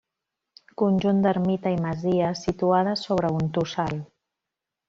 Conjunt d'ermita i masia situades sobre un tossal.